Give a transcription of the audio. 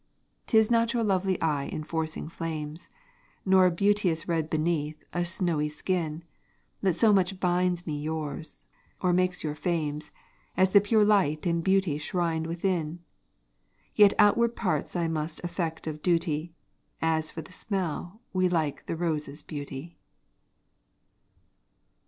'Tis not your lovely eye enforcing flames, Nor beauteous red beneath a snowy skin, That so much binds me yours, or makes your fame's, As the pure light and beauty shrined within: Yet outward parts I must affect of duty, As for the smell we like the rose's beauty.